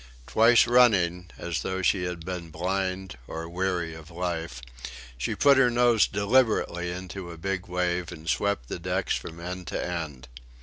Twice running, as though she had been blind or weary of life, she put her nose deliberately into a big wave and swept the decks from end to end.